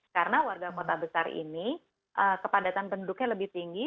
karena warga kota besar ini kepadatan penduduknya lebih tinggi